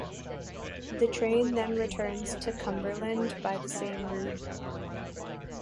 The train then returns to Cumberland by the same route.